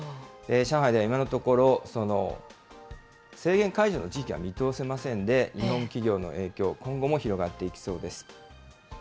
上海では今のところ、その制限解除の時期は見通せませんで、日本企業の影響、今後も広がっていきそうです。